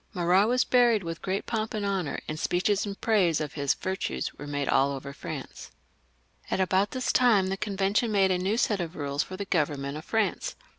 Marat was buried with great pomp and honour, and speeches in praise of his virtues were made all over France. 412 THE REVOLUTION. [CH. At about this time the Convention made a new set of rules for the government of France.